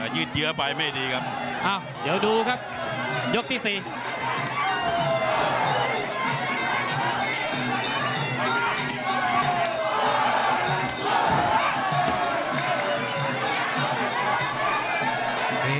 ยืดเยอะไปไม่ดีครับเดี๋ยวดูครับยกที่สี่